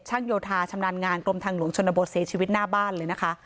โยธาชำนาญงานกรมทางหลวงชนบทเสียชีวิตหน้าบ้านเลยนะคะ